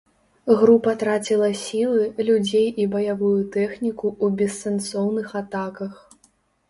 Група траціла сілы, людзей і баявую тэхніку ў бессэнсоўных атаках.